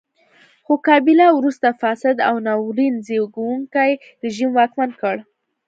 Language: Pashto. خو کابیلا وروسته فاسد او ناورین زېږوونکی رژیم واکمن کړ.